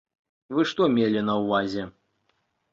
Вы што мелі на ўвазе?